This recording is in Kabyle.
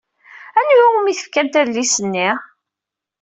Anwa umi tefkamt adlis-nni?